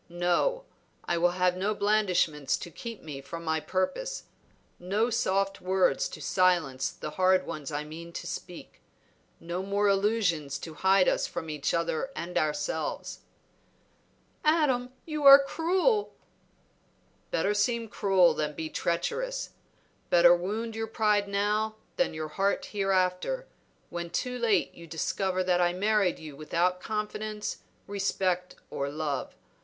No; I will have no blandishments to keep me from my purpose, no soft words to silence the hard ones I mean to speak, no more illusions to hide us from each other and ourselves." "Adam, you are cruel." "Better seem cruel than be treacherous; better wound your pride now than your heart hereafter, when too late you discover that I married you without confidence, respect, or love.